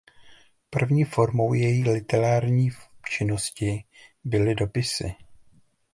První formou její literární činnosti byly dopisy.